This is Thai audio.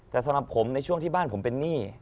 แต่สำหรับผมในช่วงที่บ้านผมเป็นหนี้